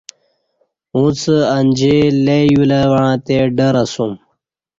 اُݩڅ انجی لئ یولہ وعݩتے ڈر اسوم